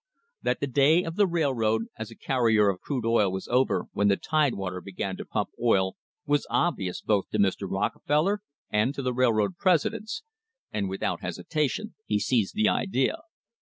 That the day of the railroad as a carrier of crude oil was over when the Tidewater began to pump oil was obvious both to Mr. Rockefeller and to the railroad presidents, and without hesitation he seized the idea.